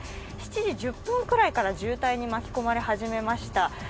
７時１０分くらいから渋滞に巻き込まれ始めました。